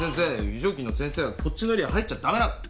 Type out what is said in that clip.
非常勤の先生はこっちのエリア入っちゃ駄目。